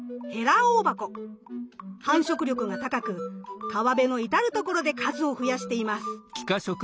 繁殖力が高く川辺の至る所で数を増やしています。